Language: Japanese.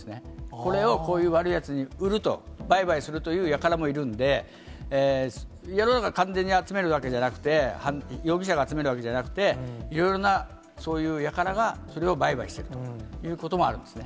これをこういう悪いやつに売ると、売買するというやからもいるんで、世の中、完全に集めるわけじゃなくて、容疑者が集めるわけじゃなくて、いろいろなそういうやからが、それを売買していくということもあるんですね。